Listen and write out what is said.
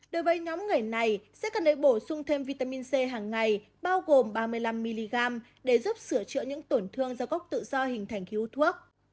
đối với nhóm người này sẽ cần lấy bổ sung thêm vitamin c hàng ngày bao gồm ba mươi năm mg để giúp sửa chữa những tổn thương do cốc tự do hình thành khi hút thuốc